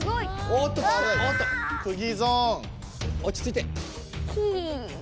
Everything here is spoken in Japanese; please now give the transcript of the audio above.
おちついて。